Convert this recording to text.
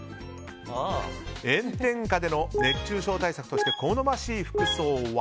炎天下での熱中症対策として好ましい服装は。